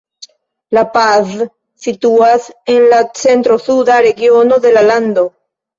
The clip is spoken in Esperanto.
La Paz situas en la centro-suda regiono de la lando.